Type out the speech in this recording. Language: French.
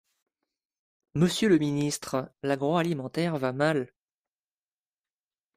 Monsieur le ministre, l’agroalimentaire va mal.